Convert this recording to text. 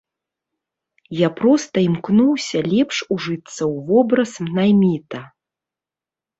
Я проста імкнуўся лепш ужыцца ў вобраз найміта.